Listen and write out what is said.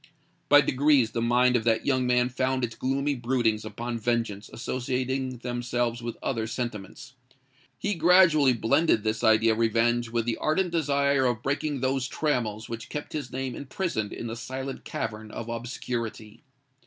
By degrees the mind of that young man found its gloomy broodings upon vengeance associating themselves with other sentiments. He gradually blended this idea of revenge with the ardent desire of breaking those trammels which kept his name imprisoned in the silent cavern of obscurity.